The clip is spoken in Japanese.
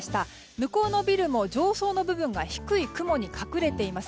向こうのビルも上層の部分が低い雲に隠れています。